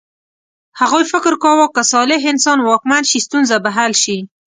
هغوی فکر کاوه که صالح انسان واکمن شي ستونزه به حل شي.